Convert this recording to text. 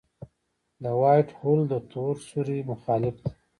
د وائټ هول د تور سوري مخالف دی.